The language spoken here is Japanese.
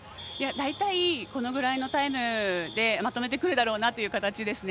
大体このくらいのタイムでまとめてくるだろうなという形ですね。